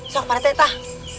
sok parete tah